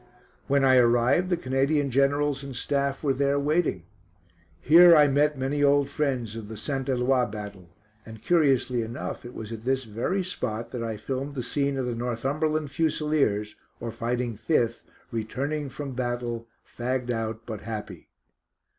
When I arrived the Canadian Generals and staff were there waiting. Here I met many old friends of the St. Eloi battle and, curiously enough, it was at this very spot that I filmed the scene of the Northumberland Fusiliers, or Fighting Fifth, returning from battle, fagged out, but happy.